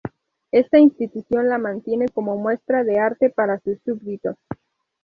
Esta institución la mantiene como muestra de arte para sus súbditos.